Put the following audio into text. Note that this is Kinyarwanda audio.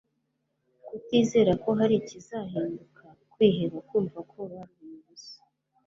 kutizera ko hari ikizahinduka, kwiheba , kumva ko baruhira ubusa